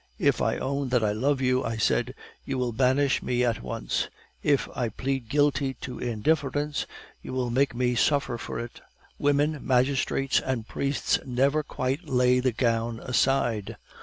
"'If I own that I love you,' I said, 'you will banish me at once; if I plead guilty to indifference, you will make me suffer for it. Women, magistrates, and priests never quite lay the gown aside.